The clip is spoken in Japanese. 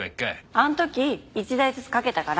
あの時一台ずつかけたから。